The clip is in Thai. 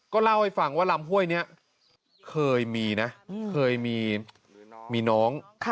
ก็เล่าให้ฟังว่ารำห้วยเนี้ยเคยมีนะเคยมีมีน้องค่ะ